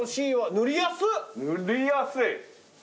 塗りやすい。